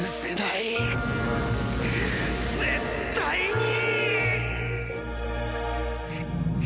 絶対に！